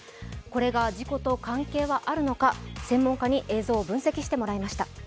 これが事故と関係があるのか、専門家に映像を分析してもらいました。